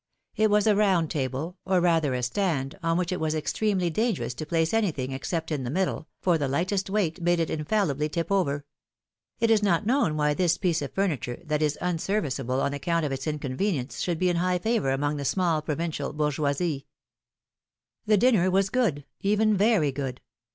It was a round table, or rather a stand, on which it was extremely dangerous to place any thing except in the middle, for the lightest weight made it infallibly tip over. It is not known why this piece of furniture, that is unserviceable on account of its inconve nience, should be in high favor among the small provincial boiirgeokie. 64 PHILOMi:NE's MARIIIAGES. The dinner was good, even very good.